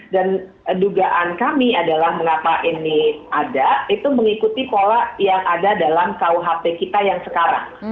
dan dugaan kami adalah mengapa ini ada itu mengikuti pola yang ada dalam kuhp kita yang sekarang